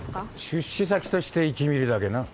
出資先として１ミリだけな